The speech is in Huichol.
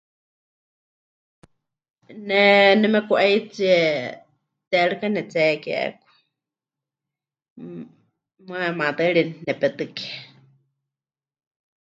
Ne nemeku'aitsie teerɨka netsihekeku, mmm, muuwa maatɨari nepetɨkie.